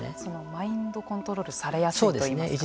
マインドコントロールされやすいというか。